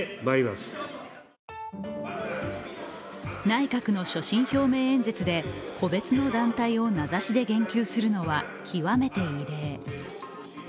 内閣の所信表明演説で個別の団体を名指しで言及するのは極めて異例。